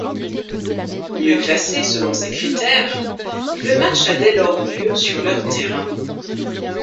Mieux classés selon ces critères, le match a dès lors lieu sur leur terrain.